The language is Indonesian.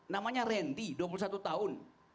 namanya renty dua puluh satu tahun